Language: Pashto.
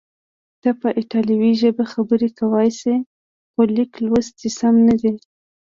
ته په ایټالوي ژبه خبرې کولای شې، خو لیک لوست دې سم نه دی.